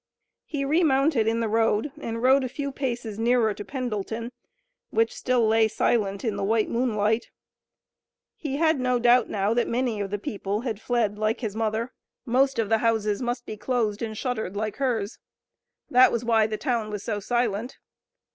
He remounted in the road and rode a few paces nearer to Pendleton, which still lay silent in the white moonlight. He had no doubt now that many of the people had fled like his mother. Most of the houses must be closed and shuttered like hers. That was why the town was so silent.